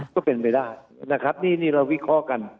ก็เป็นไปได้นะครับนี่เราวิเคราะห์กัน